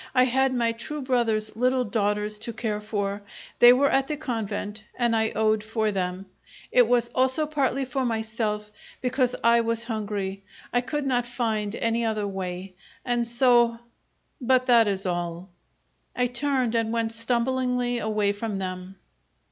I had my true brother's little daughters to care for. They were at the convent, and I owed for them. It was also partly for myself, because I was hungry. I could find not any other way, and so but that is all." I turned and went stumblingly away from them.